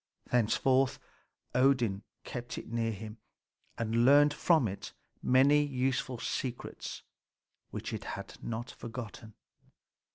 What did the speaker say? Thenceforth Odin kept it near him, and learned from it many useful secrets which it had not forgotten.